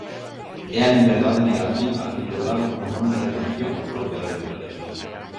É a liberdade negativa, liberdade como non intervención, propia do liberalismo.